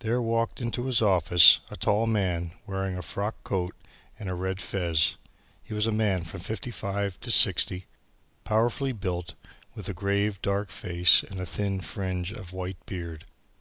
There walked into his office, a tall man wearing a frock coat and a red fez. He was a man from fifty five to sixty, powerfully built, with a grave dark face and a thin fringe of white beard.